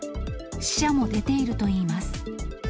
死者も出ているといいます。